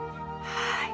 はい。